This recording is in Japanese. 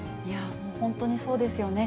本当にそうですよね。